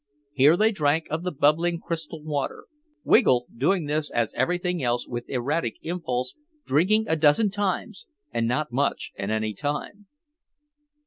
Here they drank of the bubbling, crystal water, Wiggle doing this as everything else, with erratic impulse, drinking a dozen times and not much at any time.